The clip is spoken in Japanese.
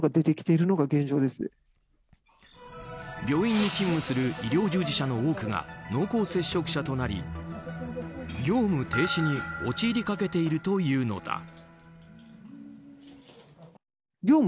病院に勤務する医療従事者の多くが濃厚接触者となり業務停止に陥りかけているというのだ。